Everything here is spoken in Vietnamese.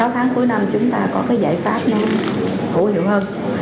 sáu tháng cuối năm chúng ta có cái giải pháp hữu hiệu hơn